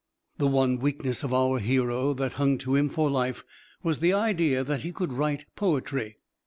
The one weakness of our hero, that hung to him for life, was the idea that he could write poetry.